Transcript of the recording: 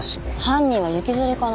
犯人は行きずりかな？